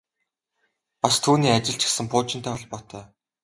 Бас түүний ажил ч гэсэн пуужинтай холбоотой.